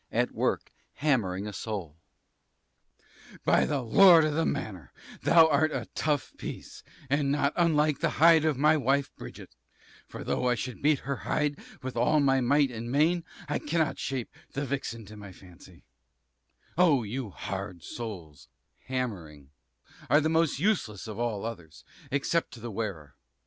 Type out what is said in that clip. _ By the lord of the manor, thou art a tough piece, and not much unlike the hide of my wife Bridget; for though I should beat her hide with all my might and main, I cannot shape the vixen to my fancy: Oh, you hard soles (hammering) are the most useless of all others, except to the wearer.